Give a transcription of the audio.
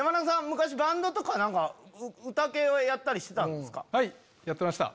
昔バンドとか歌系はやったりしてたんですか？